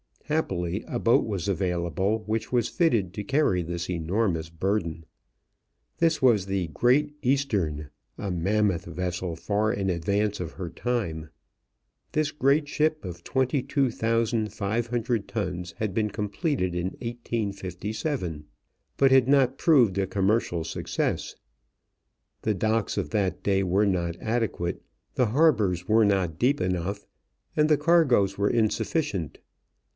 Happily, a boat was available which was fitted to carry this enormous burden. This was the Great Eastern, a mammoth vessel far in advance of her time. This great ship of 22,500 tons had been completed in 1857, but had not proved a commercial success. The docks of that day were not adequate, the harbors were not deep enough, and the cargoes were insufficient.